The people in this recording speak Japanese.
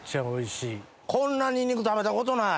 こんなニンニク食べたことない。